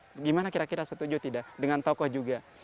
sepuan gimana kira kira setuju tidak dengan tokoh juga